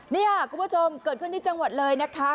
นี่ค่ะคุณผู้ชมเกิดขึ้นที่จังหวัดเลยนะคะ